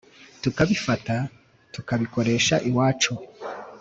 tukabifata tukabikoresha iwacu